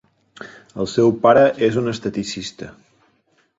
El seu pare és un esteticista.